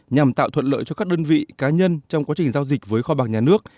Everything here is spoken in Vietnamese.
nhằm tạo thuận lợi cho các đơn vị cá nhân trong quá trình giao dịch với kho bạc nhà nước